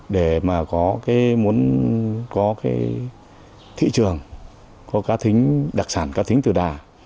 để mà có cái muốn có cái thị trường có cá thính đặc sản cá thính tử đà